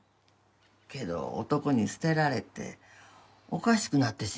けど男に捨てられておかしくなってしもうて。